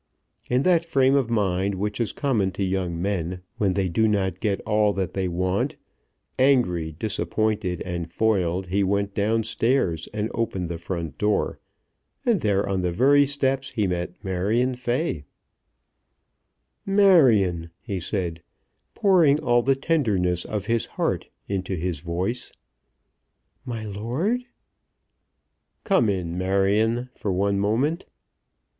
In that frame of mind which is common to young men when they do not get all that they want, angry, disappointed, and foiled, he went down stairs, and opened the front door, and there on the very steps he met Marion Fay. "Marion," he said, pouring all the tenderness of his heart into his voice. "My lord?" "Come in, Marion, for one moment."